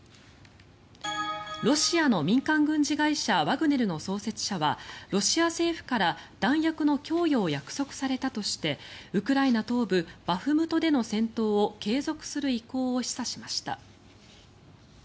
ロシアの民間軍事会社ワグネルの創設者はロシア政府から弾薬の供与を約束されたとしてウクライナ東部バフムトでの戦闘を継続する意向を示唆しました。